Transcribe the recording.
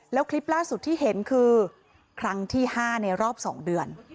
แล้วคลิปล่าสุดที่เห็นคือครั้งที่๕ในรอบ๒เดือน